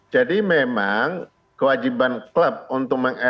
jadi memang kewajiban klub untuk menangani